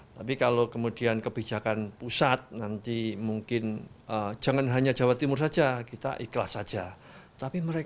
tapi kalau kemudian kebijakan pusat nanti mungkin jangan hanya jawa timur saja kita ikhlas saja